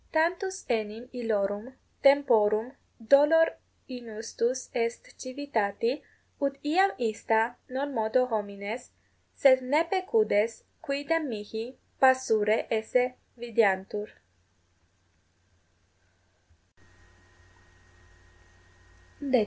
Tantus enim illorum temporum dolor inustus est civitati, ut iam ista non modo homines, sed ne pecudes quidem mihi passurae esse videantur.